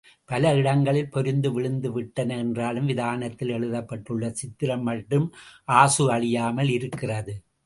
பல இடங்களில் பொரிந்து விழுந்து விட்டன என்றாலும், விதானத்தில் எழுதப்பட்டுள்ள சித்திரம் மட்டும் ஆசு அழியாமல் இருக்கிறது.